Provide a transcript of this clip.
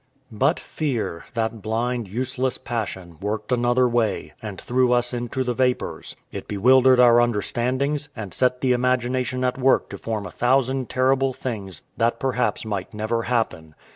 But fear, that blind, useless passion, worked another way, and threw us into the vapours; it bewildered our understandings, and set the imagination at work to form a thousand terrible things that perhaps might never happen.